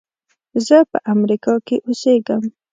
زه په امریکا کې اوسېږم.